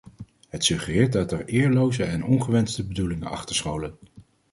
Het suggereert dat er eerloze en ongewenste bedoelingen achter scholen.